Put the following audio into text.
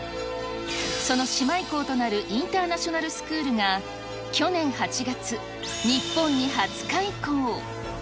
その姉妹校となるインターナショナルスクールが、去年８月、日本に初開校。